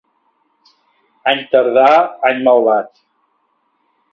Any tardà, any malvat.